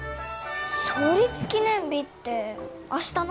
創立記念日って明日の？